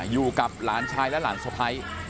อยู่กับหลานชายและหลานสะพ้าย